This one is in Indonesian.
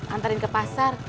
antarin ke pasar